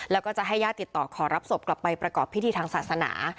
แล้วก็จะให้ญาติติดต่อขอรับศพกลับไปประกอบพิธีทางศาสนา